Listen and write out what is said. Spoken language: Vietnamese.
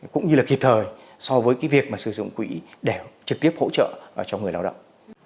cũng như là kịp thời so với cái việc mà sử dụng quỹ để trực tiếp hỗ trợ cho người lao động